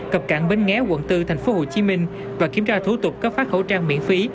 cập cảng bến nghé quận bốn thành phố hồ chí minh và kiểm tra thủ tục có phát khẩu trang miễn phí